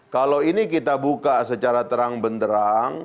kalau ini kita buka secara terang benderang